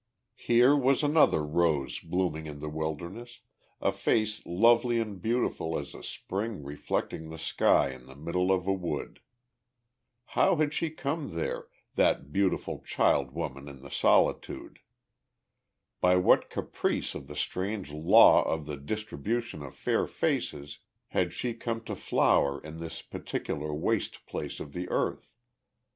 Here was another rose blooming in the wilderness, a face lovely and beautiful as a spring reflecting the sky in the middle of a wood. How had she come there, that beautiful child woman in the solitude? By what caprice of the strange law of the distribution of fair faces had she come to flower in this particular waste place of the earth?